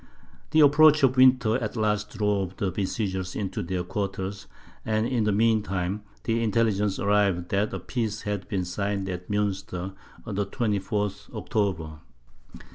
The approach of winter at last drove the besiegers into their quarters, and in the mean time, the intelligence arrived that a peace had been signed at Munster, on the 24th October.